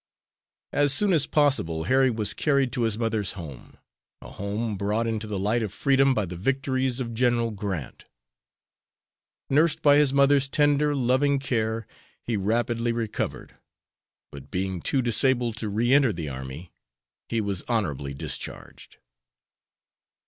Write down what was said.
As soon as possible Harry was carried to his mother's home; a home brought into the light of freedom by the victories of General Grant. Nursed by his mother's tender, loving care, he rapidly recovered, but, being too disabled to re enter the army, he was honorably discharged.